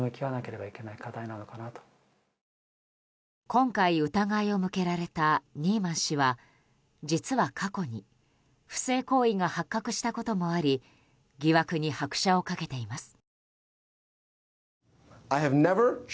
今回、疑いを向けられたニーマン氏は実は過去に不正行為が発覚したこともあり疑惑に拍車をかけています。